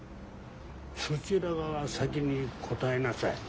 そちらが先に答えなさい。